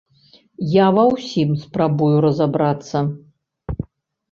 Я ва ўсім спрабую разабрацца.